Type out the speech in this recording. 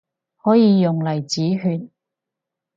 可以用嚟止血